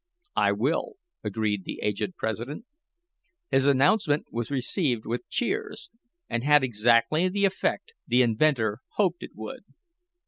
"I will," agreed the aged president. His announcement was received with cheers, and had exactly the effect the inventor hoped it would.